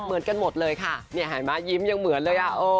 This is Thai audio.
เหมือนกันหมดเลยค่ะหายมายิ้มยังเหมือนเลย